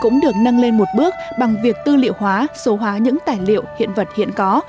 nâng lên một bước bằng việc tư liệu hóa số hóa những tài liệu hiện vật hiện có